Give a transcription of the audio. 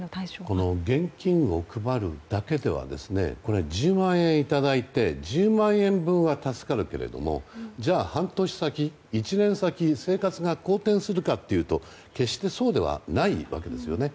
現金を配るだけではこれ、１０万円いただいて１０万円分は助かるけれどもじゃあ、半年先、１年先に生活が好転するかというと決してそうではないわけですよね。